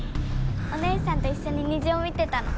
お姉さんと一緒に虹を見てたの。